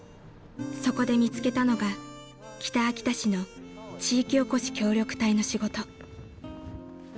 ［そこで見つけたのが北秋田市の地域おこし協力隊の仕事］